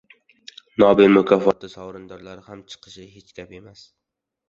Nobel mukofoti sovrindorlari ham chiqishi hech gap emas.